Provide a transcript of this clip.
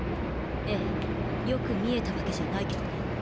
えぇよく見えたわけじゃないけどね。